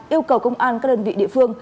yêu cầu công an các đơn vị địa phương